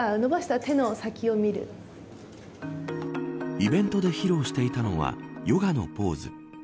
イベントで披露していたのはヨガのポーズ。